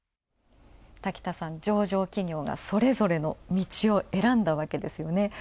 滝田さん、上場企業が、それぞれの道を選んだわけですよね。